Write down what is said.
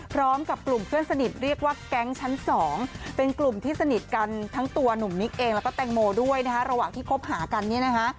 พร้อมกับกลุ่มเพื่อนสนิทเรียกว่าแก๊งชั้น๒เป็นกลุ่มที่สนิทกันทั้งตัวหนุ่มนิกเองแล้วก็แตงโมด้วยนะคะระหว่างที่คบหากันเนี่ยนะคะ